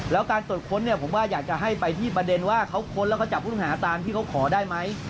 แล้วการตรวจค้นเนี่ยผมว่าอยากจะให้ไปที่ประเด็นว่าเขาค้นแล้วเขาจับผู้ต้องหาตามที่เขาขอได้ไหม